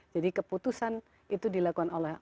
jadi keputusan itu dilakukan oleh